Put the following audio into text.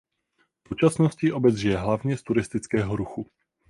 V současnosti obec žije hlavně z turistického ruchu.